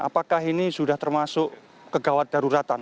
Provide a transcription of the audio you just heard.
apakah ini sudah termasuk kegawat daruratan